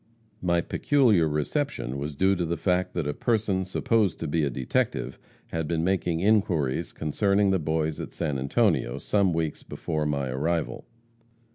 My peculiar reception was due to the fact that a person supposed to be a detective, had been making inquiries concerning the Boys at San Antonio, some weeks before my arrival.